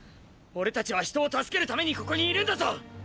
俺たちは人を助けるためにここにいるんだぞ